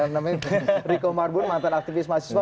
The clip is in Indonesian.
namanya riko marbun mantan aktivis mahasiswa